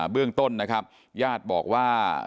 เบื้องต้นนะครับญาติบอกว่า